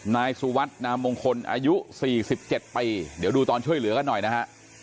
นายสุวัสดินามมงคลอายุ๔๗ปีเดี๋ยวดูตอนช่วยเหลือกันหน่อยนะฮะ